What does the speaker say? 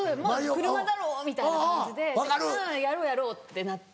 「車だろ」みたいな感じで「やろうやろう」ってなって。